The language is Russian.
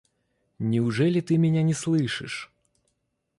Неужели ты меня не слышишь?